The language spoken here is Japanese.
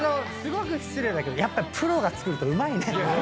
すごく失礼だけどやっぱプロが作るとうまいね。